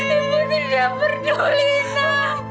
ibu tidak peduli ina